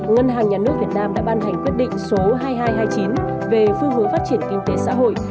ngân hàng nhà nước việt nam đã ban hành quyết định số hai nghìn hai trăm hai mươi chín về phương hướng phát triển kinh tế xã hội